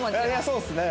そうですね。